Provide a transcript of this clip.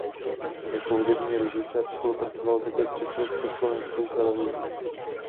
Jako hudební režisér spolupracoval také s Československou televizí.